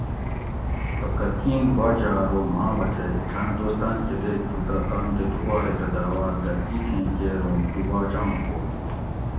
سبکتگین باچہ ارو ماۤں بچئ چھاۤں دوستان کتیک تھو تہ تام کہ تو پا ریتہ داعوات دہ تیتھیں کیر اوں تو باچہ آں پو تھو